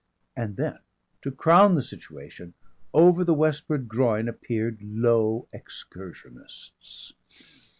And then to crown the situation, over the westward groin appeared Low Excursionists!